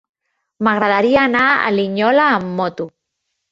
M'agradaria anar a Linyola amb moto.